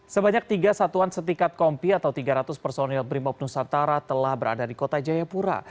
sebanyak tiga satuan setikat kompi atau tiga ratus personil brimob nusantara telah berada di kota jayapura